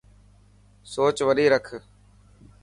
سوچ وڏي رک.